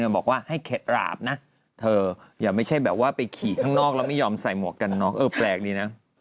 บอกว่าให้หลาบนะเธออย่าไม่ใช่แบบว่าไปขี่ข้างนอกแล้วไม่ยอมใส่หมวกกันน็อกเออแปลกดีนะ